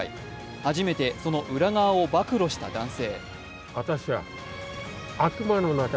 初めてその裏側を暴露した男性。